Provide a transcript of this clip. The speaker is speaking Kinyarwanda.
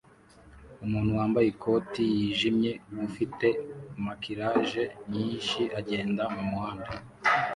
Umuntu wambaye ikoti yijimye ufite maquillage nyinshi agenda mumuhanda